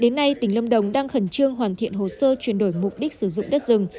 đến nay tỉnh lâm đồng đang khẩn trương hoàn thiện hồ sơ chuyển đổi mục đích sử dụng đất rừng